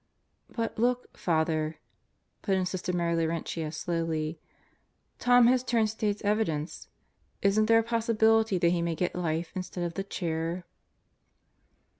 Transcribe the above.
"But look, Father," put in Sister Mary Laurentia slowly. "Tom has turned State's Evidence. Isn't there a possibility that he may get life instead of the chair?"